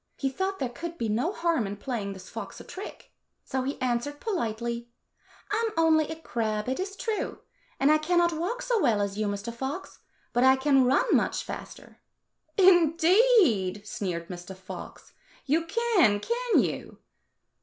He thought there could be no harm in playing this fox a trick. So he answered politely, " I am only a crab, it is true, and I cannot walk so well as you, Mr. Fox, but I can run much faster." H " Indeed !" sneered Mr. Fox. " You can ! Can you?"